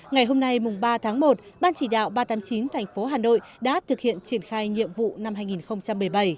ngày hôm nay ba tháng một ban chỉ đạo ba trăm tám mươi chín tp hà nội đã thực hiện triển khai nhiệm vụ năm hai nghìn một mươi bảy